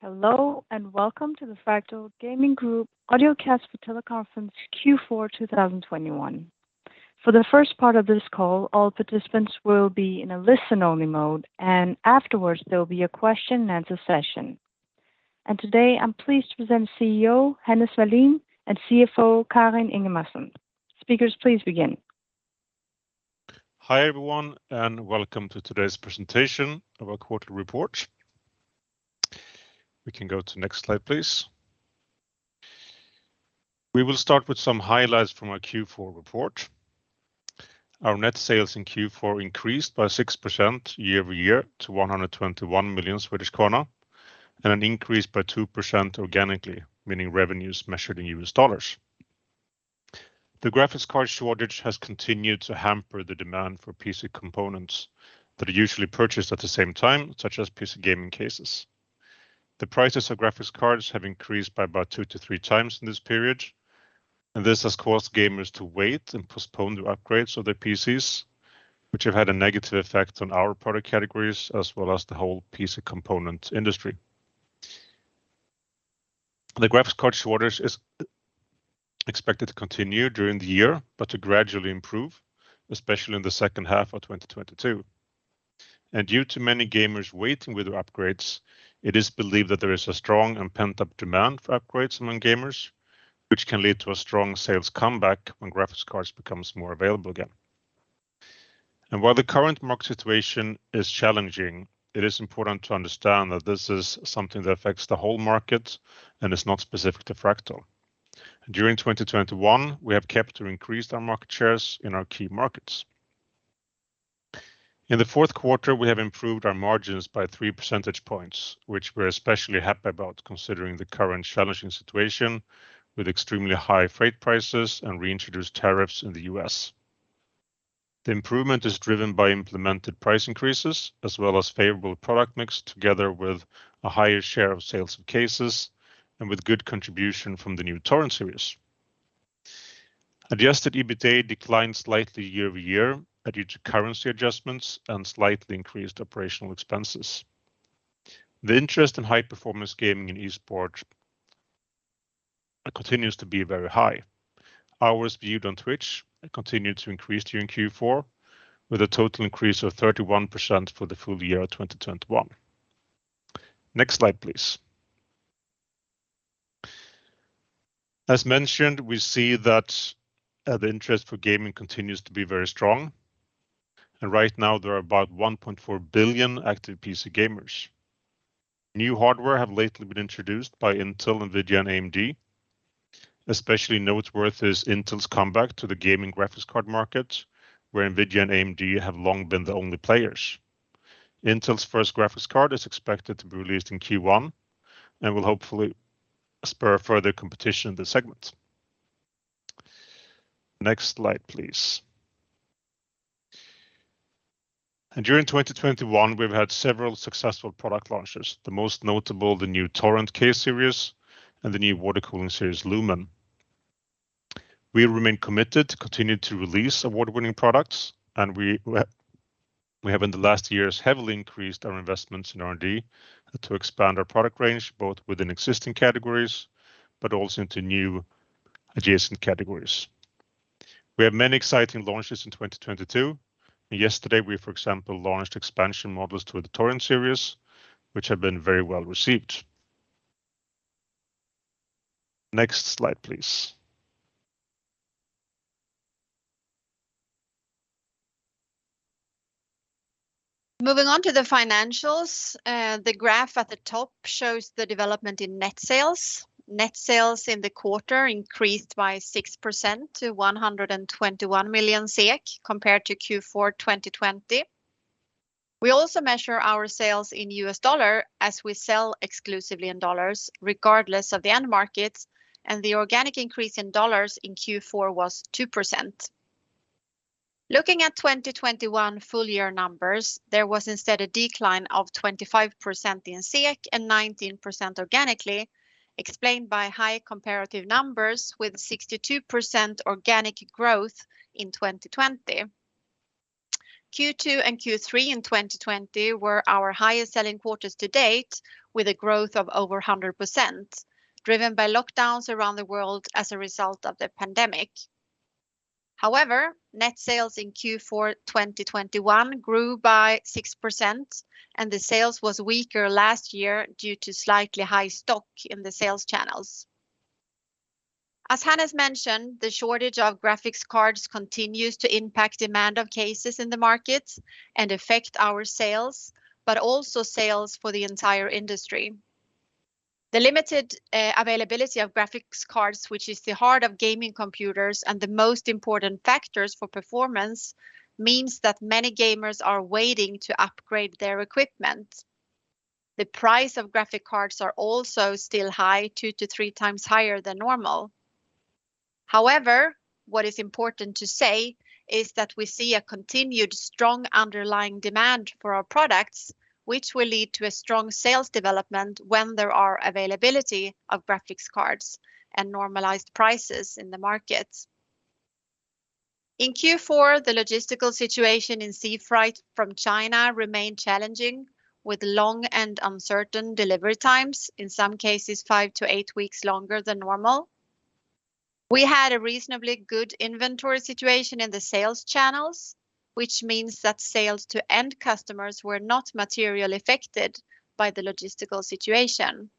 Hello, and welcome to the Fractal Gaming Group Audiocast for Teleconference Q4 2021. For the first part of this call, all participants will be in a listen-only mode, and afterwards, there will be a question and answer session. Today I'm pleased to present CEO Hannes Wallin and CFO Karin Ingemarson. Speakers, please begin. Hi, everyone, and welcome to today's presentation of our quarterly report. We can go to next slide, please. We will start with some highlights from our Q4 report. Our net sales in Q4 increased by 6% year-over-year to 121 million Swedish krona, and an increase by 2% organically, meaning revenues measured in U.S. dollars. The graphics card shortage has continued to hamper the demand for PC components that are usually purchased at the same time, such as PC gaming cases. The prices of graphics cards have increased by about 2x-3x in this period, and this has caused gamers to wait and postpone the upgrades of their PCs, which have had a negative effect on our product categories as well as the whole PC component industry. The graphics card shortage is expected to continue during the year but to gradually improve, especially in the second half of 2022. Due to many gamers waiting with upgrades, it is believed that there is a strong and pent-up demand for upgrades among gamers, which can lead to a strong sales comeback when graphics cards becomes more available again. While the current market situation is challenging, it is important to understand that this is something that affects the whole market and is not specific to Fractal. During 2021, we have kept or increased our market shares in our key markets. In the fourth quarter, we have improved our margins by 3 percentage points, which we're especially happy about considering the current challenging situation with extremely high freight prices and reintroduced tariffs in the U.S. The improvement is driven by implemented price increases as well as favorable product mix together with a higher share of sales of cases and with good contribution from the new Torrent series. Adjusted EBITDA declined slightly year-over-year due to currency adjustments and slightly increased operational expenses. The interest in high-performance gaming and esports continues to be very high. Hours viewed on Twitch continued to increase during Q4, with a total increase of 31% for the full year of 2021. Next slide, please. As mentioned, we see that, the interest for gaming continues to be very strong, and right now there are about 1.4 billion active PC gamers. New hardware have lately been introduced by Intel, NVIDIA, and AMD. Especially noteworthy is Intel's comeback to the gaming graphics card market, where NVIDIA and AMD have long been the only players. Intel's first graphics card is expected to be released in Q1 and will hopefully spur further competition in the segment. Next slide, please. During 2021, we've had several successful product launches, the most notable the new Torrent case series and the new water cooling series Lumen. We remain committed to continue to release award-winning products, and we have in the last years heavily increased our investments in R&D to expand our product range, both within existing categories but also into new adjacent categories. We have many exciting launches in 2022, and yesterday we, for example, launched expansion models to the Torrent series, which have been very well received. Next slide, please. Moving on to the financials, the graph at the top shows the development in net sales. Net sales in the quarter increased by 6% to 121 million SEK compared to Q4 2020. We also measure our sales in U.S. dollar as we sell exclusively in dollars regardless of the end markets, and the organic increase in dollars in Q4 was 2%. Looking at 2021 full year numbers, there was instead a decline of 25% in Swedish krona and 19% organically, explained by high comparative numbers with 62% organic growth in 2020. Q2 and Q3 in 2020 were our highest selling quarters to date with a growth of over 100%, driven by lockdowns around the world as a result of the pandemic. However, net sales in Q4 2021 grew by 6%, and the sales was weaker last year due to slightly high stock in the sales channels. As Hannes mentioned, the shortage of graphics cards continues to impact demand of cases in the market and affect our sales, but also sales for the entire industry. The limited availability of graphics cards, which is the heart of gaming computers and the most important factors for performance, means that many gamers are waiting to upgrade their equipment. The price of graphics cards are also still high, 2x-3x higher than normal. However, what is important to say is that we see a continued strong underlying demand for our products, which will lead to a strong sales development when there are availability of graphics cards and normalized prices in the market. In Q4, the logistical situation in sea freight from China remained challenging with long and uncertain delivery times, in some cases five to eight weeks longer than normal. We had a reasonably good inventory situation in the sales channels, which means that sales to end customers were not materially affected by the logistical situation.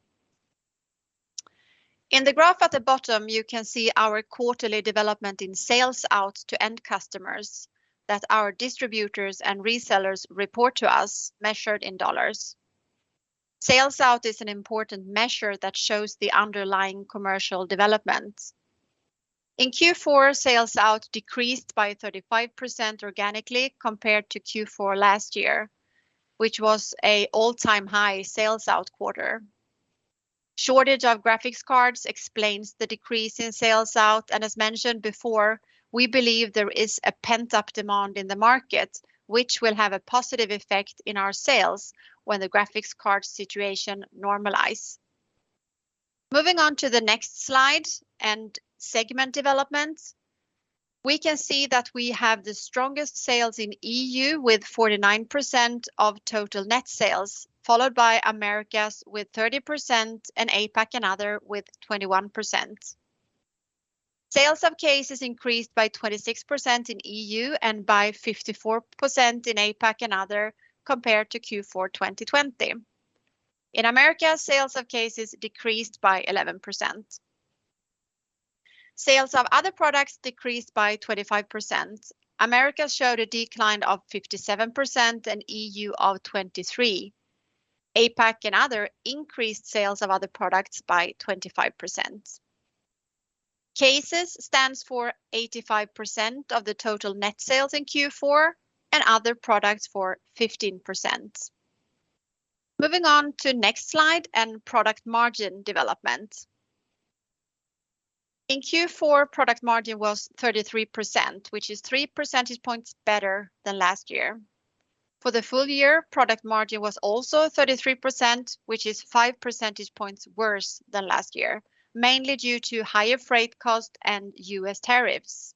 In the graph at the bottom, you can see our quarterly development in sales out to end customers that our distributors and resellers report to us measured in dollars. Sales out is an important measure that shows the underlying commercial development. In Q4, sales out decreased by 35% organically compared to Q4 last year, which was an all-time high sales out quarter. Shortage of graphics cards explains the decrease in sales out, and as mentioned before, we believe there is a pent-up demand in the market which will have a positive effect in our sales when the graphics card situation normalize. Moving on to the next slide and segment development, we can see that we have the strongest sales in EU with 49% of total net sales, followed by Americas with 30% and APAC and other with 21%. Sales of cases increased by 26% in EU and by 54% in APAC and other compared to Q4 2020. In America, sales of cases decreased by 11%. Sales of other products decreased by 25%. Americas showed a decline of 57% and EU of 23%. APAC and other increased sales of other products by 25%. Cases stands for 85% of the total net sales in Q4 and other products for 15%. Moving on to next slide and product margin development. In Q4, product margin was 33%, which is 3 percentage points better than last year. For the full year, product margin was also 33%, which is 5 percentage points worse than last year, mainly due to higher freight cost and U.S. tariffs.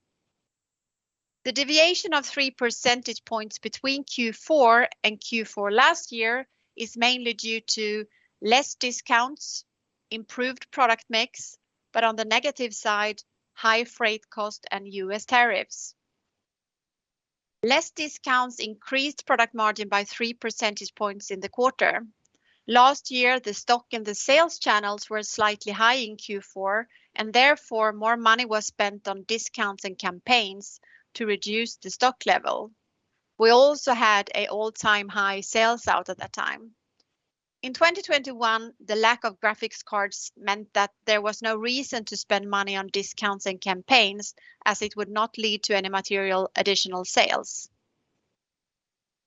The deviation of 3 percentage points between Q4 and Q4 last year is mainly due to less discounts, improved product mix, but on the negative side, high freight cost and U.S. tariffs. Less discounts increased product margin by 3 percentage points in the quarter. Last year, the stock and the sales channels were slightly high in Q4, and therefore, more money was spent on discounts and campaigns to reduce the stock level. We also had an all-time high sales at that time. In 2021, the lack of graphics cards meant that there was no reason to spend money on discounts and campaigns as it would not lead to any material additional sales.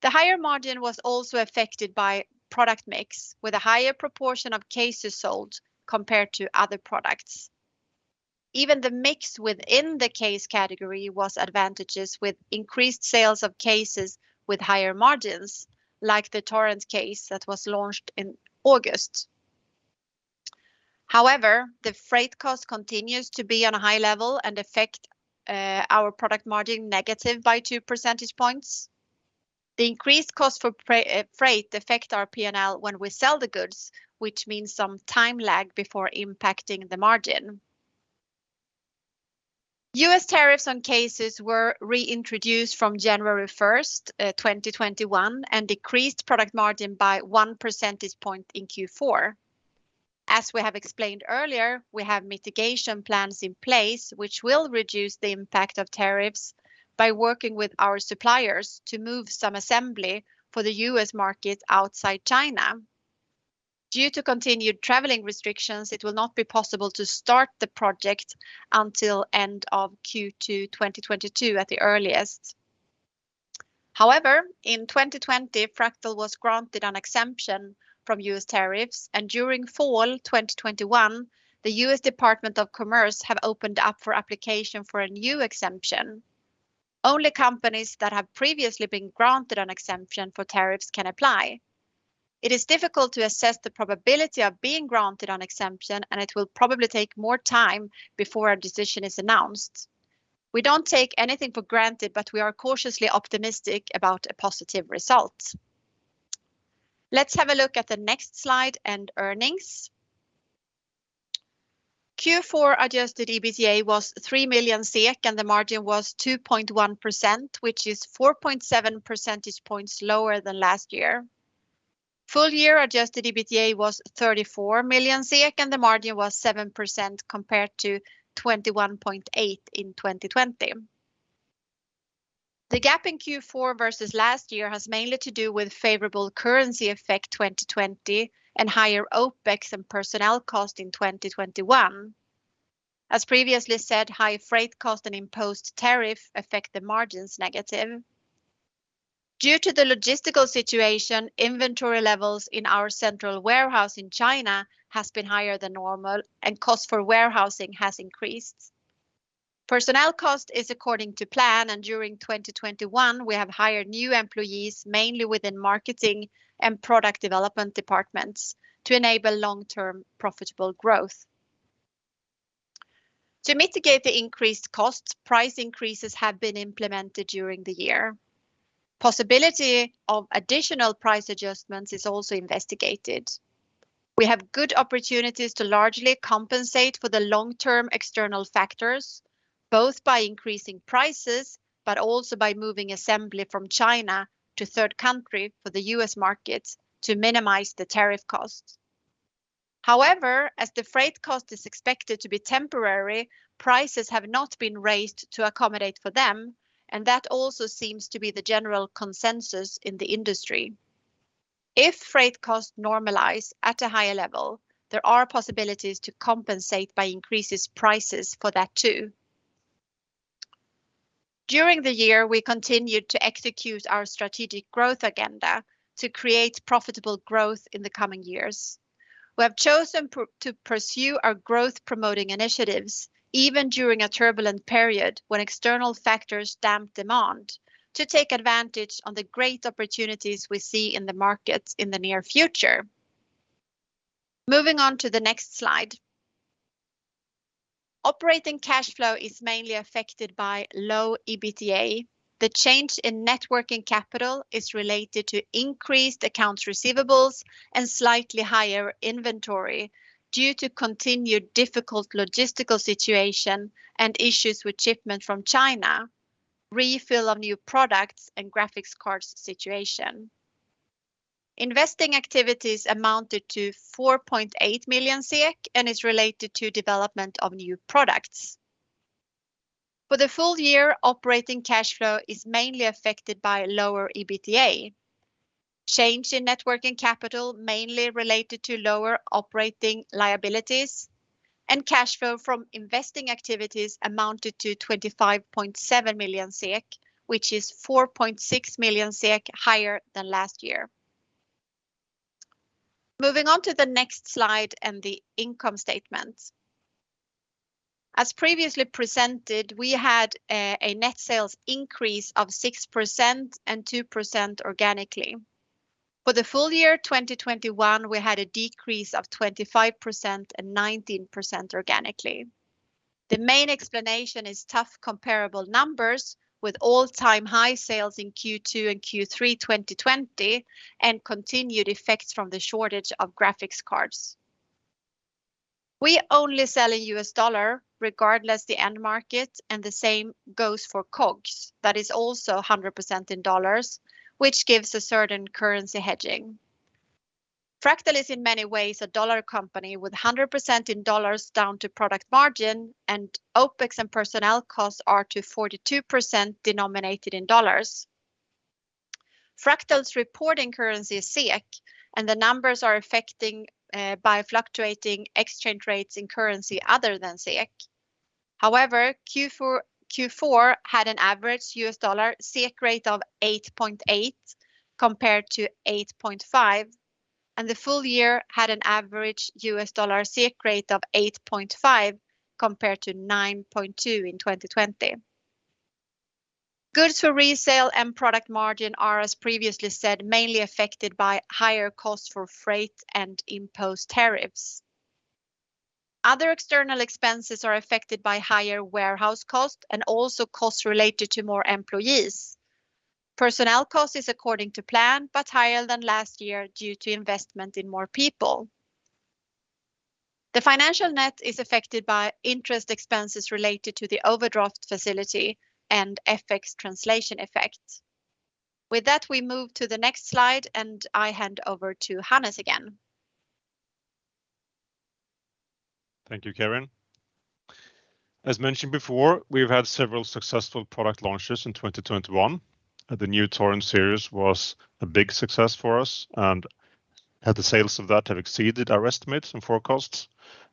The higher margin was also affected by product mix with a higher proportion of cases sold compared to other products. Even the mix within the case category was advantageous with increased sales of cases with higher margins, like the Torrent case that was launched in August. However, the freight cost continues to be on a high level and affect our product margin negative by 2 percentage points. The increased cost for freight affect our P&L when we sell the goods, which means some time lag before impacting the margin. U.S. tariffs on cases were reintroduced from January 1st, 2021 and decreased product margin by 1 percentage point in Q4. As we have explained earlier, we have mitigation plans in place which will reduce the impact of tariffs by working with our suppliers to move some assembly for the U.S. market outside China. Due to continued traveling restrictions, it will not be possible to start the project until end of Q2 2022 at the earliest. However, in 2020, Fractal was granted an exemption from U.S. tariffs, and during fall 2021, the U.S. Department of Commerce has opened up for application for a new exemption. Only companies that have previously been granted an exemption for tariffs can apply. It is difficult to assess the probability of being granted an exemption, and it will probably take more time before a decision is announced. We don't take anything for granted, but we are cautiously optimistic about a positive result. Let's have a look at the next slide and earnings. Q4 adjusted EBITDA was 3 million SEK, and the margin was 2.1%, which is 4.7 percentage points lower than last year. Full year adjusted EBITDA was 34 million SEK, and the margin was 7% compared to 21.8% in 2020. The gap in Q4 versus last year has mainly to do with favorable currency effect 2020 and higher OpEx and personnel cost in 2021. As previously said, high freight cost and imposed tariff affect the margins negative. Due to the logistical situation, inventory levels in our central warehouse in China has been higher than normal, and cost for warehousing has increased. Personnel cost is according to plan, and during 2021, we have hired new employees, mainly within marketing and product development departments to enable long-term profitable growth. To mitigate the increased costs, price increases have been implemented during the year. Possibility of additional price adjustments is also investigated. We have good opportunities to largely compensate for the long-term external factors, both by increasing prices but also by moving assembly from China to third country for the U.S. market to minimize the tariff costs. However, as the freight cost is expected to be temporary, prices have not been raised to accommodate for them, and that also seems to be the general consensus in the industry. If freight costs normalize at a higher level, there are possibilities to compensate by increasing prices for that too. During the year, we continued to execute our strategic growth agenda to create profitable growth in the coming years. We have chosen to pursue our growth-promoting initiatives even during a turbulent period when external factors dampen demand to take advantage of the great opportunities we see in the markets in the near future. Moving on to the next slide. Operating cash flow is mainly affected by low EBITDA. The change in net working capital is related to increased accounts receivable and slightly higher inventory due to continued difficult logistical situation and issues with shipment from China, refill of new products, and graphics cards situation. Investing activities amounted to 4.8 million and is related to development of new products. For the full year, operating cash flow is mainly affected by lower EBITDA. Change in net working capital mainly related to lower operating liabilities and cash flow from investing activities amounted to 25.7 million SEK, which is 4.6 million SEK higher than last year. Moving on to the next slide and the income statement. As previously presented, we had a net sales increase of 6% and 2% organically. For the full year 2021, we had a decrease of 25% and 19% organically. The main explanation is tough comparable numbers with all-time high sales in Q2 and Q3 2020 and continued effects from the shortage of graphics cards. We only sell in U.S. dollar regardless the end market, and the same goes for COGS. That is also 100% in dollars, which gives a certain currency hedging. Fractal is in many ways a dollar company with 100% in dollars down to product margin, and OpEx and personnel costs are 42% denominated in dollars. Fractal's reporting currency is Swedish krona, and the numbers are affected by fluctuating exchange rates in currency other than Swedish krona. However, Q4 had an average U.S. dollar Swedish krona rate of 8.8 compared to 8.5, and the full year had an average U.S. dollar Swedish krona rate of 8.5 compared to 9.2 in 2020. Goods for resale and product margin are, as previously said, mainly affected by higher costs for freight and imposed tariffs. Other external expenses are affected by higher warehouse costs and also costs related to more employees. Personnel cost is according to plan, but higher than last year due to investment in more people. The financial net is affected by interest expenses related to the overdraft facility and FX translation effect. With that, we move to the next slide, and I hand over to Hannes again. Thank you, Karin. As mentioned before, we've had several successful product launches in 2021. The new Torrent series was a big success for us, and the sales of that have exceeded our estimates and forecasts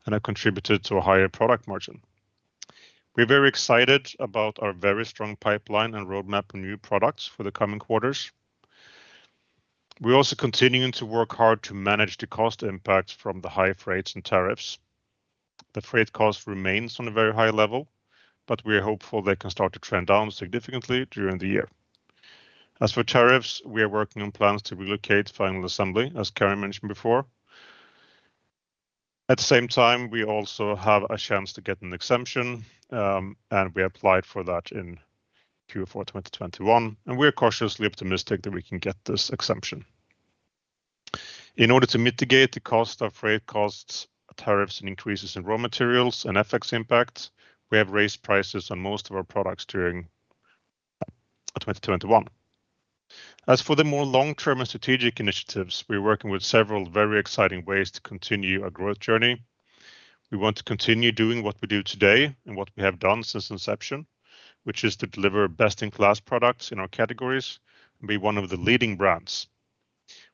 and have contributed to a higher product margin. We're very excited about our very strong pipeline and roadmap of new products for the coming quarters. We're also continuing to work hard to manage the cost impact from the high freights and tariffs. The freight cost remains on a very high level, but we're hopeful they can start to trend down significantly during the year. As for tariffs, we are working on plans to relocate final assembly, as Karin mentioned before. At the same time, we also have a chance to get an exemption, and we applied for that in Q4 2021, and we're cautiously optimistic that we can get this exemption. In order to mitigate the cost of freight costs, tariffs, and increases in raw materials and FX impact, we have raised prices on most of our products during 2021. As for the more long-term and strategic initiatives, we're working with several very exciting ways to continue our growth journey. We want to continue doing what we do today and what we have done since inception, which is to deliver best-in-class products in our categories and be one of the leading brands.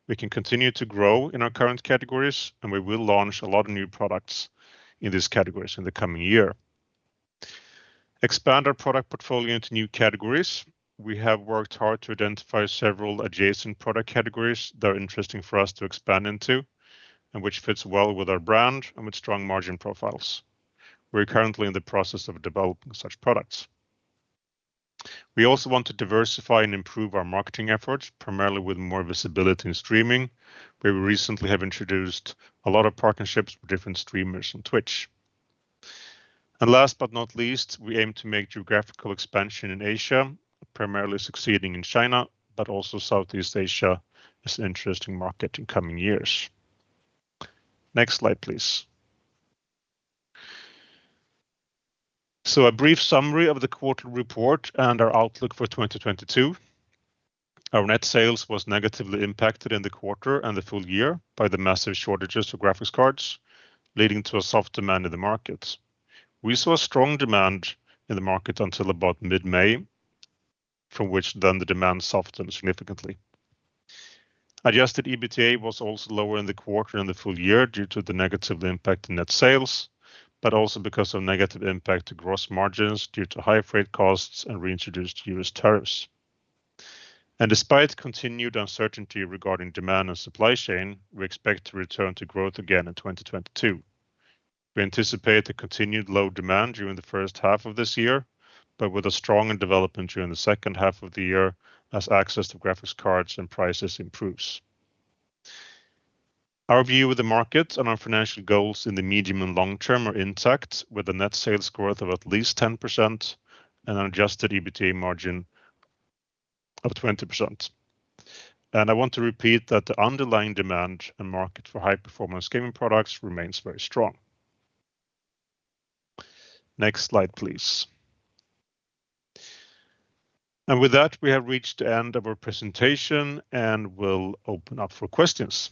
We can continue to grow in our current categories, and we will launch a lot of new products in these categories in the coming year and expand our product portfolio into new categories. We have worked hard to identify several adjacent product categories that are interesting for us to expand into and which fits well with our brand and with strong margin profiles. We're currently in the process of developing such products. We also want to diversify and improve our marketing efforts, primarily with more visibility in streaming. We recently have introduced a lot of partnerships with different streamers on Twitch. Last but not least, we aim to make geographical expansion in Asia, primarily succeeding in China, but also Southeast Asia is an interesting market in coming years. Next slide, please. A brief summary of the quarter report and our outlook for 2022. Our net sales was negatively impacted in the quarter and the full year by the massive shortages of graphics cards, leading to a soft demand in the market. We saw strong demand in the market until about mid-May, from which then the demand softened significantly. Adjusted EBITDA was also lower in the quarter and the full year due to the negative impact in net sales, but also because of negative impact to gross margins due to higher freight costs and reintroduced U.S. tariffs. Despite continued uncertainty regarding demand and supply chain, we expect to return to growth again in 2022. We anticipate a continued low demand during the first half of this year, but with a stronger development during the second half of the year as access to graphics cards and prices improves. Our view of the market and our financial goals in the medium and long term are intact, with a net sales growth of at least 10% and an adjusted EBITDA margin of 20%. I want to repeat that the underlying demand and market for high-performance gaming products remains very strong. Next slide, please. With that, we have reached the end of our presentation, and we'll open up for questions.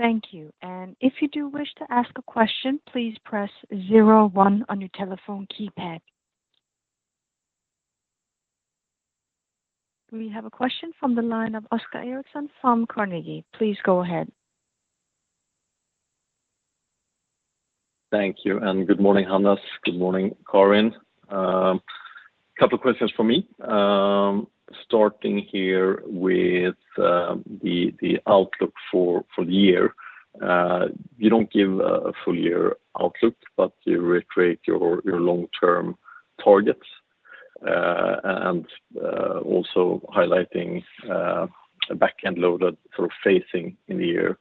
Thank you. If you do wish to ask a question, please press zero one on your telephone keypad. We have a question from the line of Oscar Erixon from Carnegie. Please go ahead. Thank you, and good morning, Hannes. Good morning, Karin. Couple questions from me. Starting here with the outlook for the year. You don't give a full year outlook, but you reiterate your long-term targets, and also highlighting a back-end loaded sort of phasing in the year.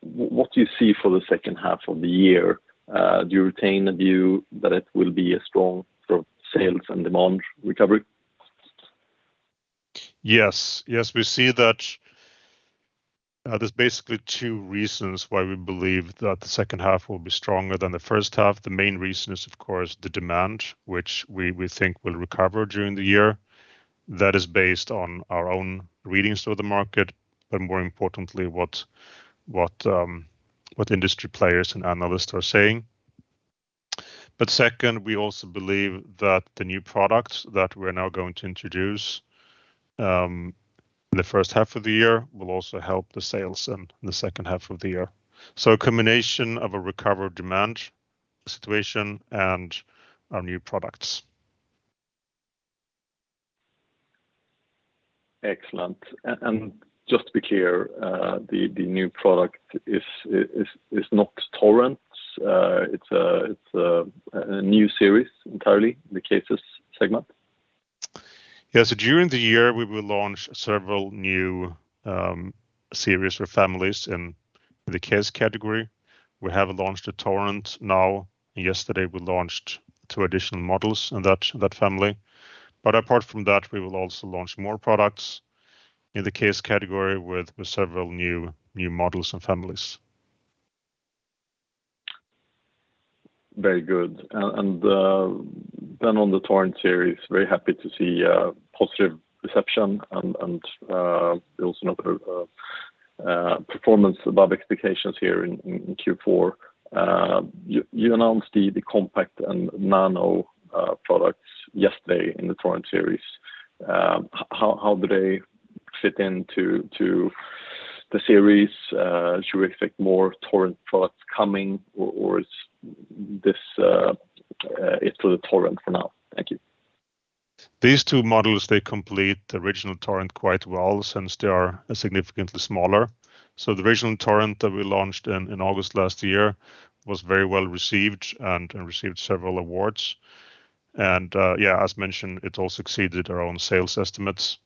What do you see for the second half of the year? Do you retain the view that it will be a strong sort of sales and demand recovery? Yes. Yes, we see that there's basically two reasons why we believe that the second half will be stronger than the first half. The main reason is, of course, the demand, which we think will recover during the year. That is based on our own readings of the market, but more importantly, what industry players and analysts are saying. Second, we also believe that the new products that we're now going to introduce in the first half of the year will also help the sales in the second half of the year. A combination of a recovered demand situation and our new products. Excellent. Just to be clear, the new product is not Torrent. It's a new series entirely in the cases segment? Yeah. During the year, we will launch several new series or families in the case category. We have launched a Torrent now. Yesterday, we launched two additional models in that family. Apart from that, we will also launch more products in the case category with several new models and families. Very good. Then on the Torrent series, very happy to see positive reception and also performance above expectations here in Q4. You announced the Compact and Nano products yesterday in the Torrent series. How do they fit into the series? Should we expect more Torrent products coming, or is this it for the Torrent for now? Thank you. These two models, they complete the original Torrent quite well since they are significantly smaller. The original Torrent that we launched in August last year was very well received and received several awards. As mentioned, it also exceeded our own sales estimates.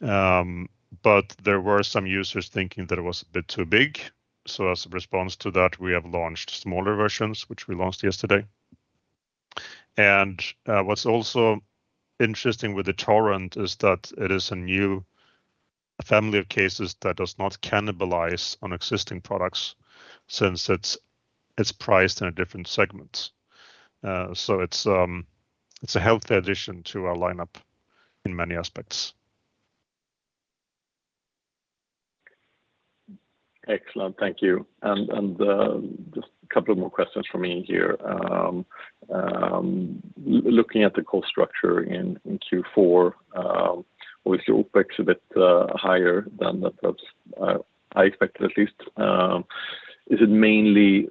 But there were some users thinking that it was a bit too big. As a response to that, we have launched smaller versions, which we launched yesterday. What's also interesting with the Torrent is that it is a new family of cases that does not cannibalize on existing products since it's priced in a different segment. It's a healthy addition to our lineup in many aspects. Excellent. Thank you. Just a couple of more questions from me here. Looking at the cost structure in Q4, obviously OpEx a bit higher than that I expected at least. Is it mainly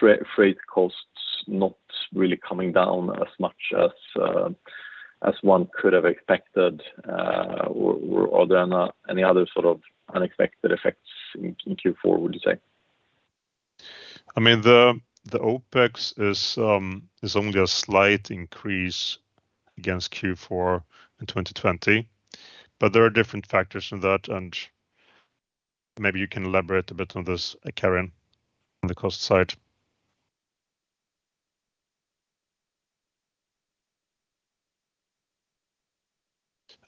freight costs not really coming down as much as one could have expected? Or are there any other sort of unexpected effects in Q4, would you say? I mean, the OpEx is only a slight increase against Q4 in 2020, but there are different factors in that, and maybe you can elaborate a bit on this, Karin, on the cost side.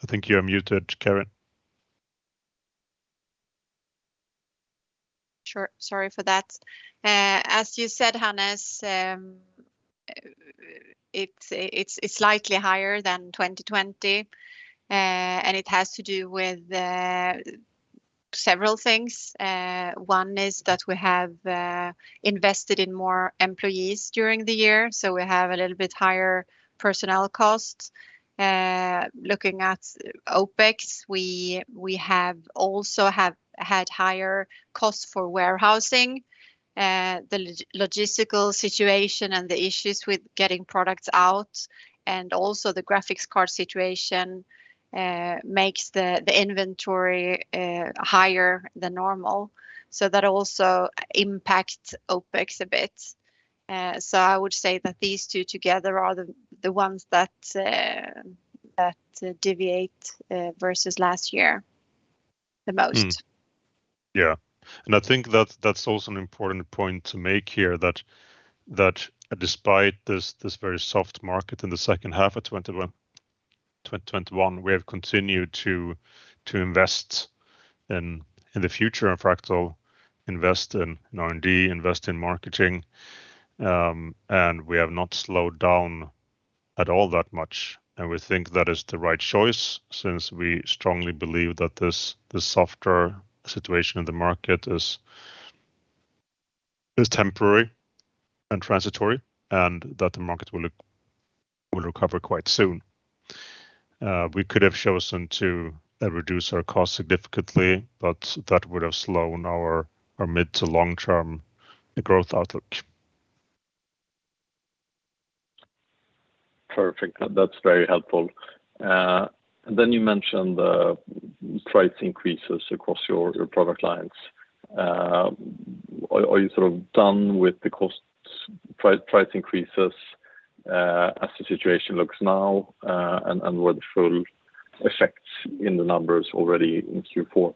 I think you're muted, Karin. Sure. Sorry for that. As you said, Hannes, it's slightly higher than 2020. It has to do with several things. One is that we have invested in more employees during the year, so we have a little bit higher personnel costs. Looking at OpEx, we also had higher costs for warehousing. The logistical situation and the issues with getting products out and also the graphics card situation makes the inventory higher than normal. So that also impacts OpEx a bit. I would say that these two together are the ones that deviate versus last year the most. I think that's also an important point to make here that despite this very soft market in the second half of 2021, we have continued to invest in the future in Fractal, invest in R&D, invest in marketing, and we have not slowed down at all that much. We think that is the right choice since we strongly believe that this softer situation in the market is temporary and transitory, and that the market will recover quite soon. We could have chosen to reduce our costs significantly, but that would've slowed our mid- to long-term growth outlook. Perfect. That's very helpful. You mentioned the price increases across your product lines. Are you sort of done with the cost price increases as the situation looks now, and were the full effects in the numbers already in Q4?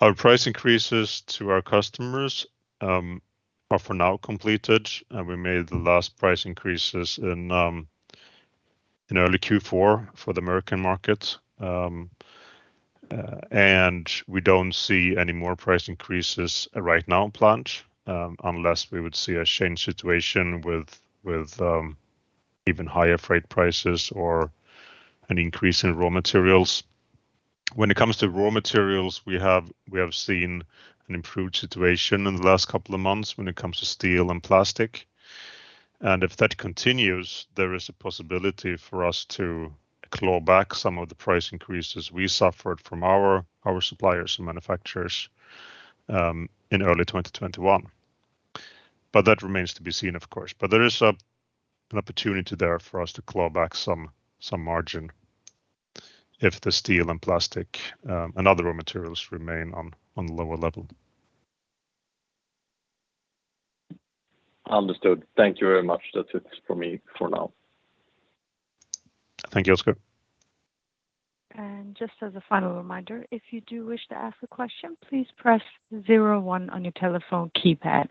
Our price increases to our customers are for now completed, and we made the last price increases in early Q4 for the American market. We don't see any more price increases right now planned, unless we would see a changed situation with even higher freight prices or an increase in raw materials. When it comes to raw materials, we have seen an improved situation in the last couple of months when it comes to steel and plastic, and if that continues, there is a possibility for us to claw back some of the price increases we suffered from our suppliers and manufacturers in early 2021. That remains to be seen, of course, there is an opportunity there for us to claw back some margin if the steel and plastic, and other raw materials remain on lower level. Understood. Thank you very much. That's it for me for now. Thank you, Oscar. Just as a final reminder, if you do wish to ask a question, please press zero one on your telephone keypad.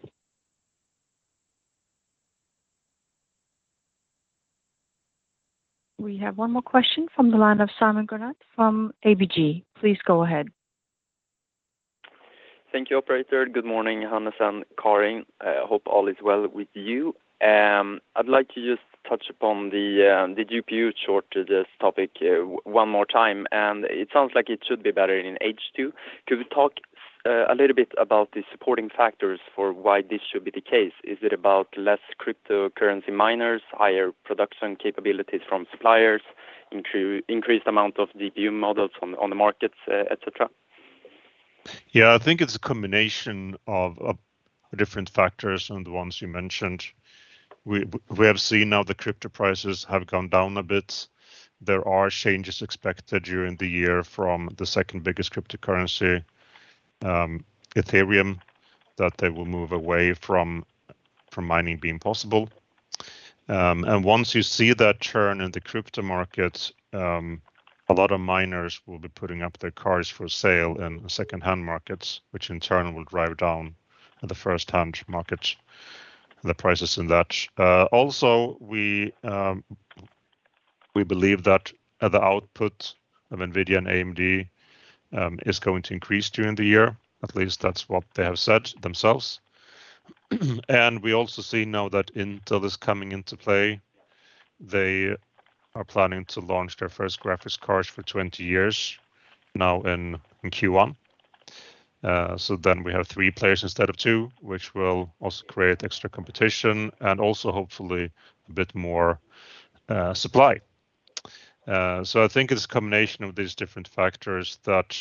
We have one more question from the line of Simon Granath from ABG. Please go ahead. Thank you, operator. Good morning, Hannes and Karin. Hope all is well with you. I'd like to just touch upon the GPU shortage topic one more time. It sounds like it should be better in H2. Could you talk a little bit about the supporting factors for why this should be the case? Is it about less cryptocurrency miners, higher production capabilities from suppliers, increased amount of GPU models on the markets, et cetera? Yeah. I think it's a combination of different factors than the ones you mentioned. We have seen now the crypto prices have gone down a bit. There are changes expected during the year from the second biggest cryptocurrency, Ethereum, that they will move away from mining being possible. Once you see that turn in the crypto market, a lot of miners will be putting up their cards for sale in secondhand markets, which in turn will drive down the firsthand market, the prices in that. Also, we believe that the output of NVIDIA and AMD is going to increase during the year. At least that's what they have said themselves. We also see now that Intel is coming into play. They are planning to launch their first graphics cards for 20 years now in Q1. We have three players instead of two, which will also create extra competition and also hopefully a bit more supply. I think it's a combination of these different factors that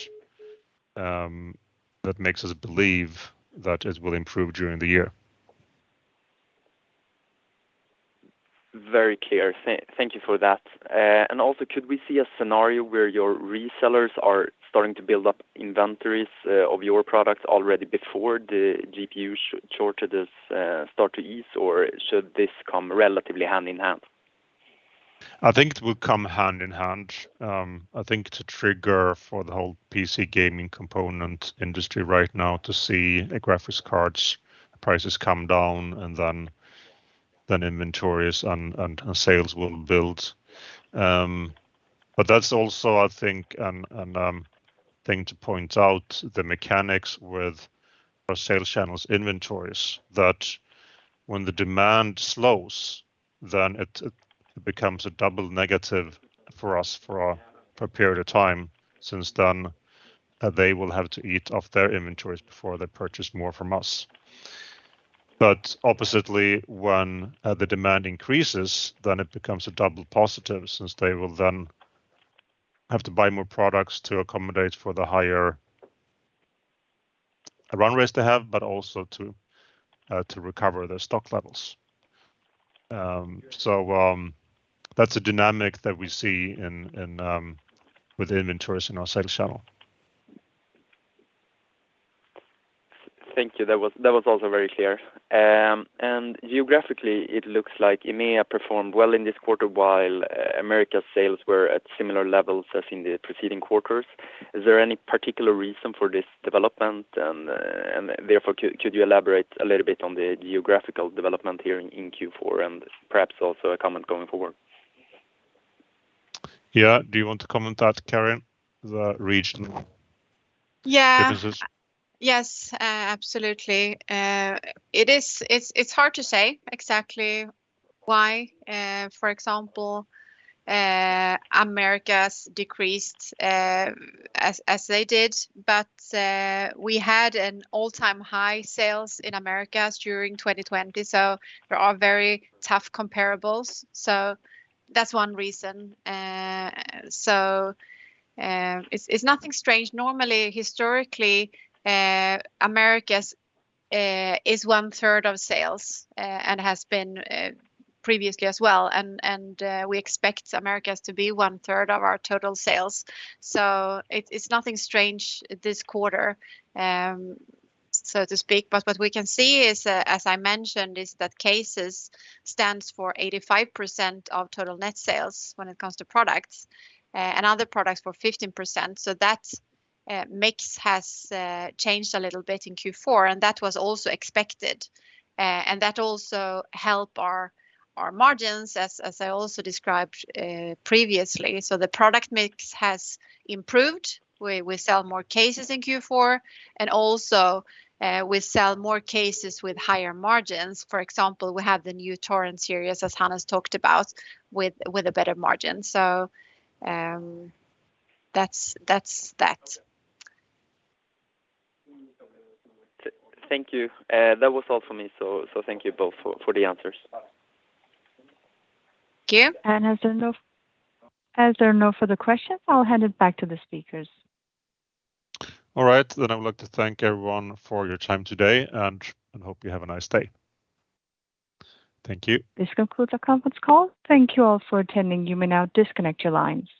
makes us believe that it will improve during the year. Very clear. Thank you for that. Could we see a scenario where your resellers are starting to build up inventories of your products already before the GPU shortage starts to ease? Or should this come relatively hand in hand? I think it will come hand in hand. I think it's a trigger for the whole PC gaming component industry right now to see the graphics cards' prices come down and then inventories and sales will build. That's also I think a thing to point out, the mechanics with our sales channels' inventories that when the demand slows, then it becomes a double negative for us for a period of time since then they will have to eat off their inventories before they purchase more from us. Oppositely, when the demand increases, then it becomes a double positive since they will then have to buy more products to accommodate for the higher run rates they have, but also to recover their stock levels. That's a dynamic that we see in with the inventories in our sales channel. Thank you. That was also very clear. Geographically it looks like EMEA performed well in this quarter while America sales were at similar levels as in the preceding quarters. Is there any particular reason for this development? Therefore could you elaborate a little bit on the geographical development here in Q4 and perhaps also a comment going forward? Yeah. Do you want to comment that, Karin, the regional- Yeah Differences? Yes, absolutely. It is hard to say exactly why, for example, Americas decreased as they did, but we had an all-time high sales in Americas during 2020, so there are very tough comparables. That's one reason. It's nothing strange. Normally, historically, Americas is one third of sales and has been previously as well. We expect Americas to be one third of our total sales. It's nothing strange this quarter, so to speak. What we can see is, as I mentioned, is that cases stands for 85% of total net sales when it comes to products, and other products for 15%. That mix has changed a little bit in Q4, and that was also expected. That also help our margins as I also described previously. The product mix has improved. We sell more cases in Q4 and also we sell more cases with higher margins. For example, we have the new Torrent series, as Hannes talked about with a better margin. That's that. Thank you. That was all for me. Thank you both for the answers. Thank you. As there are no further questions, I'll hand it back to the speakers. All right. I would like to thank everyone for your time today and hope you have a nice day. Thank you. This concludes our conference call. Thank you all for attending. You may now disconnect your lines.